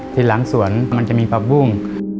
ที่หลังสวนมันจะมีผักบุ้ง